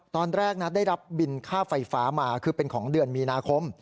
ตอนแรกนะได้รับบินค่าไฟฟ้ามาคือเป็นของเดือนมีนาคม